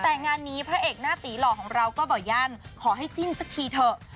แต่งานนี้พระเอกหน้าตีหล่อของเราก็บ่อยั่นขอให้จิ้นสักทีเถอะ